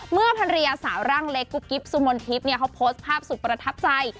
ภรรยาสาวร่างเล็กกุ๊บกิ๊บสุมนทิพย์เขาโพสต์ภาพสุดประทับใจ